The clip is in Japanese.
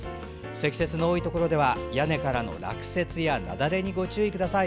積雪の多いところでは屋根からの落雪や雪崩にご注意ください。